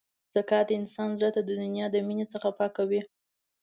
زکات د انسان زړه د دنیا د مینې څخه پاکوي.